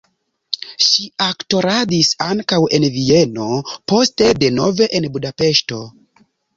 Ŝi aktoradis ankaŭ en Vieno, poste denove en Budapeŝto.